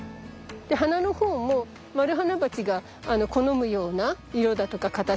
で花の方もマルハナバチが好むような色だとか形。